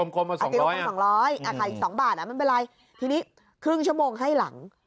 ก็อีกอีก๒๐๐อ่ะมันเป็นไรทีนี้ครึ่งชั่วโมงให้หลัง